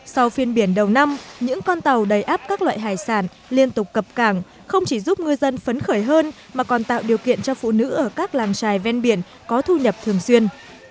sau phiên biển đầu năm những con tàu đầy áp các loại hải sản liên tục cập cảng không chỉ giúp ngư dân phấn khởi hơn mà còn tạo điều kiện cho phụ nữ ở các làng trài ven biển có thu nhập thường xuyên